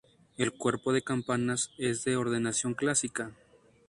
El cuerpo de campanas es de ordenación clásica.